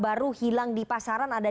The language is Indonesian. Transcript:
baru hilang di pasaran ada